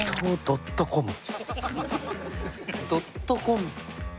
ドットコム。